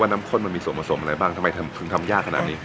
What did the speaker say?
น้ำข้นมันมีส่วนผสมอะไรบ้างทำไมถึงทำยากขนาดนี้